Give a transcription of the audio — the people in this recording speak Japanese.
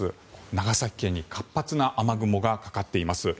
長崎県に活発な雨雲がかかっています。